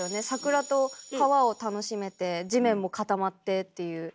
桜と川を楽しめて地面も固まってっていう。